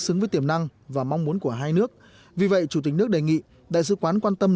xứng với tiềm năng và mong muốn của hai nước vì vậy chủ tịch nước đề nghị đại sứ quán quan tâm